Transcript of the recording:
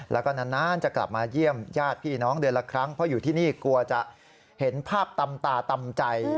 แล้วก็นานจะกลับมาเยี่ยมญาติพี่น้องเดือนละครั้งเพราะอยู่ที่นี่กลัวจะเห็นภาพตำตาตำใจ